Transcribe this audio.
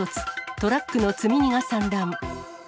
トラックの積み荷が散乱。